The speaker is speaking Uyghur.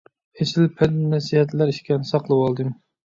ئېسىل پەند-نەسىھەتلەر ئىكەن، ساقلىۋالدىم.